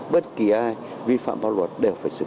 bất kỳ ai vi phạm pháp luật đều phải xử lý